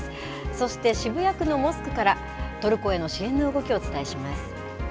そして、渋谷区のモスクから、トルコへの支援の動きをお伝えします。